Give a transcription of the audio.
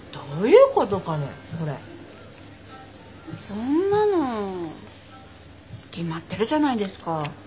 そんなの決まってるじゃないですか。